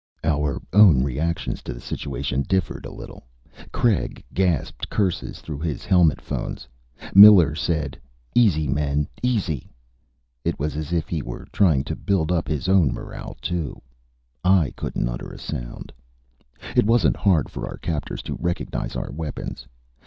Our own reactions to the situation differed a little. Craig gasped curses through his helmet phones. Miller said, "Easy, men! Easy!" It was as if he were trying to build up his own morale, too. I couldn't utter a sound. It wasn't hard for our captors to recognize our weapons.